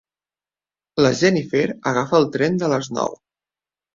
La Jennifer agafa el tren de les nou.